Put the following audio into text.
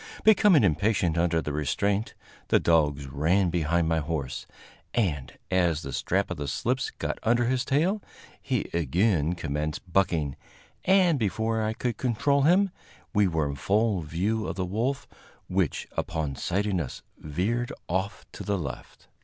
Becoming impatient under the restraint, the dogs ran behind my horse, and, as the strap of the slips got under his tail, he again commenced bucking, and before I could control him we were in full view of the wolf, which, upon sighting us, veered off to the left.